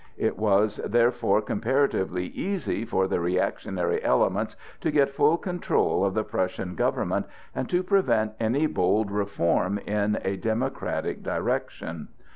It was therefore comparatively easy for the reactionary elements to get full control of the Prussian government and to prevent any bold reform in a democratic direction.